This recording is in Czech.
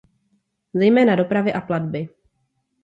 Zejména dopravy a platby.